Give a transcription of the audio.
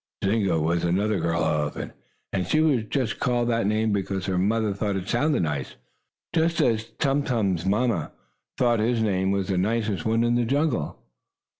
Zunga was another girl elephant, and she was just called that name because her mother thought it sounded nice just as Tum Tum's mamma thought his name was the nicest one in the jungle.